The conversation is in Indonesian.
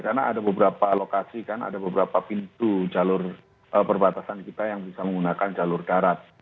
karena ada beberapa lokasi kan ada beberapa pintu jalur perbatasan kita yang bisa menggunakan jalur garat